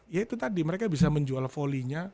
ya itu tadi mereka bisa menjual volley nya